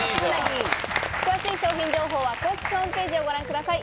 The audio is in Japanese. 詳しい商品情報は公式ホームページをご覧ください。